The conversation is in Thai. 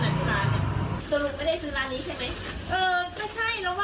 โอ้าวพี่มึงผมมาแนบผอม